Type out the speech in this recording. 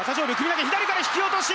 投げ左から引き落とし！